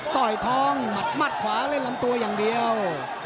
ต่อยทองหมัดมัดขวาเล่นลำตัวอย่างเดียว